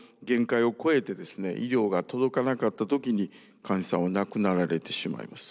医療が届かなかった時に患者さんは亡くなられてしまいます。